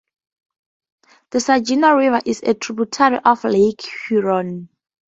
The Saginaw River is a tributary of Lake Huron.